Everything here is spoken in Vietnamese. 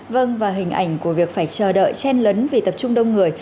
vâng và hình ảnh của việc phải chờ đợi chen lấn vì tập trung đông người